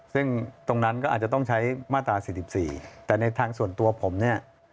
ซึ่งตรงนั้นก็อาจจะต้องใช้มาตรา๔๔แต่ในทางส่วนตัวผมเนี่ย